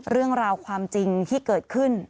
เรื่องราวความจริงที่เกิดขึ้น